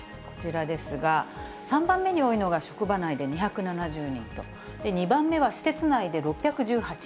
こちらですが、３番目に多いのが職場内で２７０人と、２番目は施設内で６１８人。